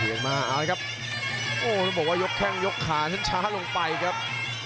โอ้วท่านบอกว่ายกแชงอยกขาเธอนั้นช้าลงไปครับ